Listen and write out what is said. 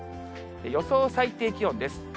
予想最低気温です。